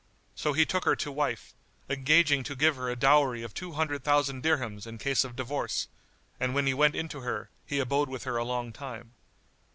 So he took her to wife, engaging to give her a dowry of two hundred thousand dirhams in case of divorce, and when he went into her, he abode with her a long time.